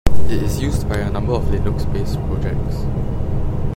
It is used by a number of Linux-based projects.